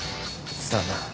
さあな。